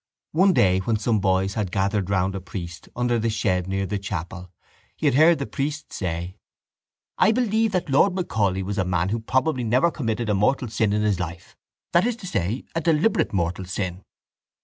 One day when some boys had gathered round a priest under the shed near the chapel, he had heard the priest say: —I believe that Lord Macaulay was a man who probably never committed a mortal sin in his life, that is to say, a deliberate mortal sin.